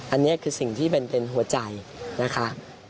อันนี้คือสิ่งที่เป็นหัวใจนะคะ